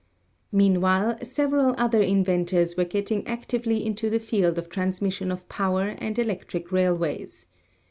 Meanwhile several other inventors were getting actively into the field of transmission of power and electric rail ways.